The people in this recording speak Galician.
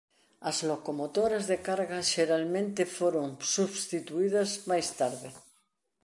As locomotoras de carga xeralmente foron substituídas máis tarde.